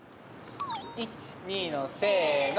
１２のせの。